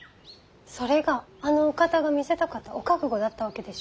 それがあのお方が見せたかったお覚悟だったわけでしょ。